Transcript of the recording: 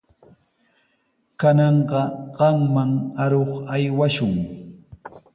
Kananqa qamman aruq aywashun.